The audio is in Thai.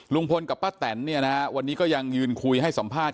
ลุงพลกับป้าแตนเนี่ยนะฮะวันนี้ก็ยังยืนคุยให้สัมภาษณ์